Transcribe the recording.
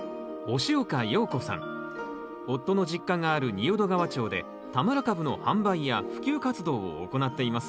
夫の実家がある仁淀川町で田村かぶの販売や普及活動を行っています